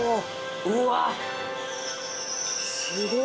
うわ、すごっ！